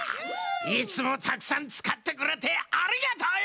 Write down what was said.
いつもたくさんつかってくれてありがとうよ！